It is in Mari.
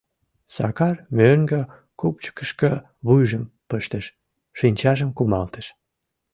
Сакар мӧҥгӧ кӱпчыкышкӧ вуйжым пыштыш, шинчажым кумалтыш.